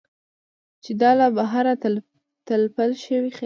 چې دا له بهره تپل شوى څيز دى.